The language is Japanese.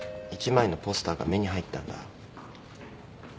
１枚のポスターが目に入ったんだ。